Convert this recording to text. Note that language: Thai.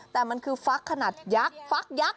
แต่มันคือฟักขนาดยักษ์ฟักยักษ